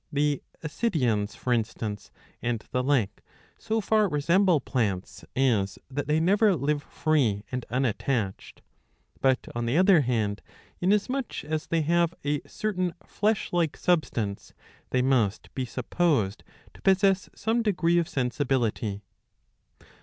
The Ascidians, for instance, and the like so far resemble plants as that they never live free and unattached,^ but, on the other hand, inasmuch as they have a certain flesh like substance, they must be supposed to possess some degree of sensibility.